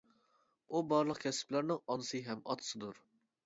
ئۇ بارلىق كەسىپلەرنىڭ ئانىسى ھەم ئاتىسىدۇر.